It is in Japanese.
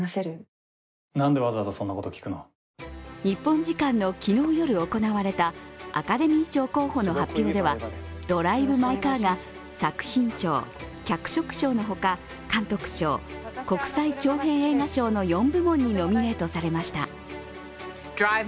日本時間の昨日の夜行われたアカデミー賞候補の発表では「ドライブ・マイ・カー」が作品賞、脚色賞の他、監督賞、国際長編映画賞の４部門にノミネートされました。